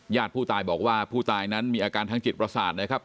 ญาติผู้ตายบอกว่าผู้ตายนั้นมีอาการทางจิตประสาทนะครับ